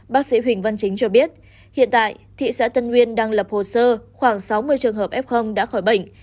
bác sĩ huỳnh văn chính cho biết hiện tại thị xã tân nguyên đang lập hồ sơ khoảng sáu mươi trường hợp f đã khỏi bệnh